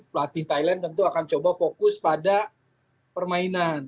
pelatih thailand tentu akan coba fokus pada permainan